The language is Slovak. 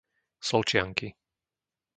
Solčianky